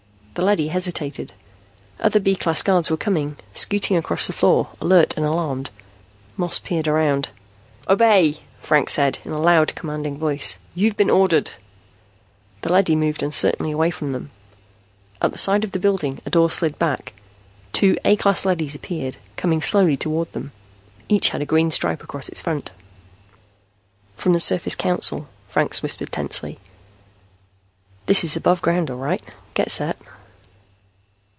The leady hesitated. Other B class guards were coming, scooting across the floor, alert and alarmed. Moss peered around. "Obey!" Franks said in a loud, commanding voice. "You've been ordered!" The leady moved uncertainly away from them. At the end of the building, a door slid back. Two A class leadys appeared, coming slowly toward them. Each had a green stripe across its front. "From the Surface Council," Franks whispered tensely. "This is above ground, all right. Get set."